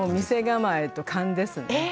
店構えと勘ですね。